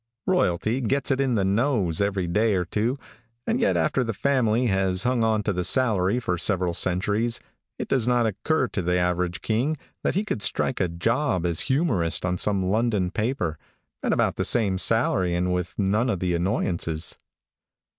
Royalty gets it in the nose every day or two, and yet after the family has hung onto the salary for several centuries it does not occur to the average king that he could strike a job as humorist on some London paper, at about the same salary and with none of the annoyances.